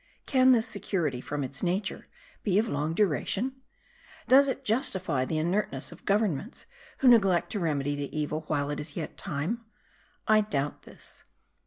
Can this security, from its nature, be of long duration? Does it justify the inertness of governments who neglect to remedy the evil while it is yet time? I doubt this.